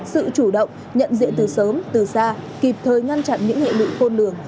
sự chủ động nhận diện từ sớm từ xa kịp thời ngăn chặn những hệ lụy khôn lường